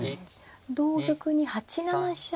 同玉に８七飛車